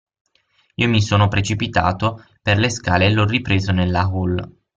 Io mi sono precipitato per le scale e l'ho ripreso nella hall.